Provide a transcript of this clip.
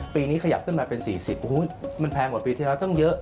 ปีนี้ขยับขึ้นมาเป็น๔๐มันแพงกว่าปีที่แล้วตั้งเยอะ